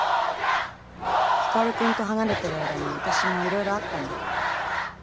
光くんと離れてる間に私もいろいろあったんだよ。